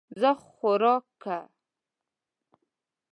زۀ خواروک کۀ